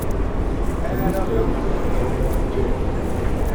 In this case, Bernard J.